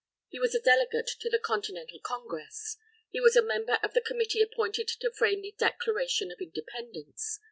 He was a delegate to the Continental Congress. He was a member of the Committee appointed to frame the Declaration of Independence.